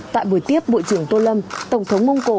tại buổi tiếp bộ trưởng tô lâm tổng thống mông cổ